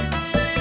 masalah ini buatku